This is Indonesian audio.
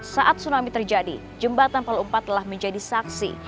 saat tsunami terjadi jembatan palu iv telah menjadi saksi